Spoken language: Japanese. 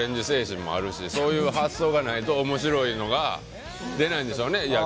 精神もあるしそういう発想がないと面白いのが出ないんですよね。